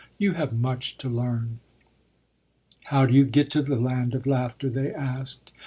You have much to learn." "How do you get to the Land of Laughter?" they asked.